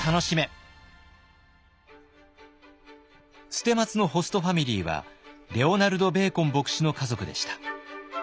捨松のホストファミリーはレオナルド・ベーコン牧師の家族でした。